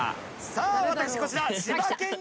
さあ私こちら。